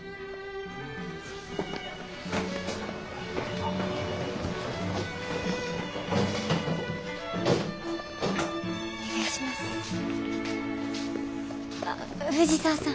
あ藤沢さん。